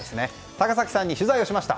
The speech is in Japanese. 高崎さんに取材をしました。